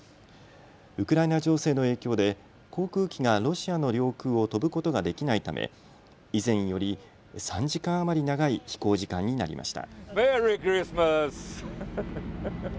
ウクライナ情勢の影響で航空機がロシアの領空を飛ぶことができないため以前より３時間余り長い飛行時間になりました。